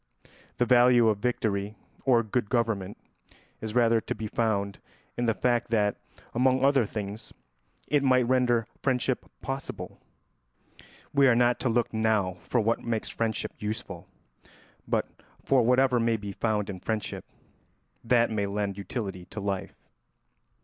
The value of victory or good government is rather to be found in the fact that, among other things, it might render friendship possible. We are not to look now for what makes friendship useful, but for whatever may be found in friendship that may lend utility to life.